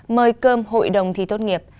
mời cơm hội đồng thi tốt nghiệp